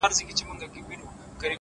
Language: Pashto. حقیقت ذهن ته ازادي ورکوي